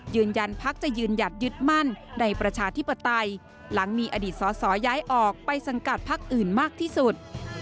ยืนยันพักจะยืนหยัดยึดมั่นในประชาธิปไตยหลังมีอดีตสอสอย้ายออกไปสังกัดพักอื่นมากที่สุด